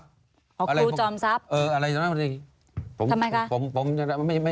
อ๋อครูจอมซับทำไมคะ